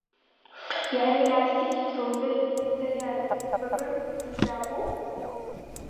یانی لاستیکی ترومبیل سەریان بە بەند چندرابوو